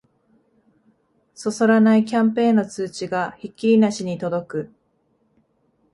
そそらないキャンペーンの通知がひっきりなしに届く